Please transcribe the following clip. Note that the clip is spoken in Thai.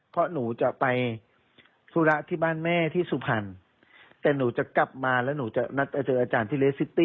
เพราะหนูจะไปธุระที่บ้านแม่ที่สุพรรณแต่หนูจะกลับมาแล้วหนูจะนัดไปเจออาจารย์ที่เลสซิตี้